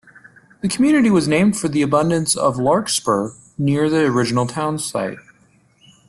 The community was named for the abundance of larkspur near the original town site.